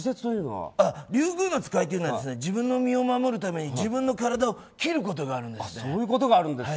リュウグウノツカイというのは自分の身を守るために自分の体を切ることがあるんです。